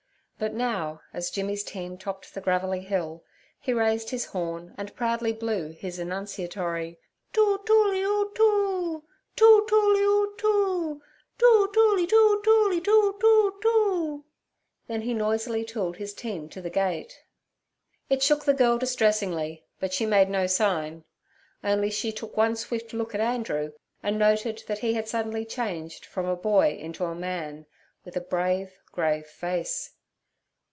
But now as Jimmy's team topped the gravelly hill, he raised his horn, and proudly blew his annunciatory too tooly oo too, too tooly oo too, too tooly too tooly, too, too, too, then he noisily tooled his team to the gate. It shook the girl distressingly, but she made no sign; only she took one swift look at Andrew, and noted that he had suddenly changed from a boy into a man, with a brave, grave face.